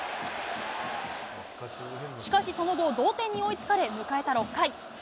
しかしその後、同点に追いつかれ、迎えた６回。